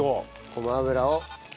ごま油を。